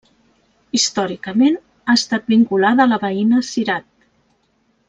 Històricament ha estat vinculada a la veïna Cirat.